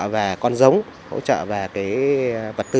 về con giống hỗ trợ về cái vật tư